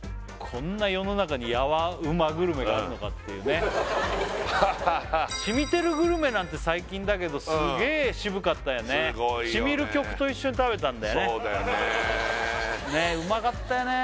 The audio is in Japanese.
こんな世の中にヤワうまグルメがあるのかっていうねハッハッハッ染みてるグルメなんて最近だけどすげえ渋かったよね染みる曲と一緒に食べたんだよねねぇうまかったよね